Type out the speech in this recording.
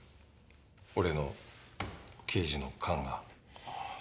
俺の刑事の勘が。